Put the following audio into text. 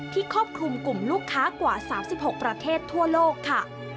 ครอบคลุมกลุ่มลูกค้ากว่า๓๖ประเทศทั่วโลกค่ะ